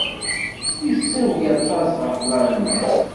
Yessawal aṭas ɣef Lalman.